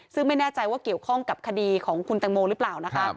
ซึ่งไม่แน่ใจว่าเกี่ยวข้องกับคดีของคุณตังโมหรือเปล่านะคะ